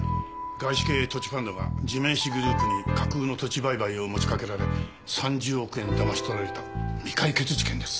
外資系投資ファンドが地面師グループに架空の土地売買を持ちかけられ３０億円をだまし取られた未解決事件です。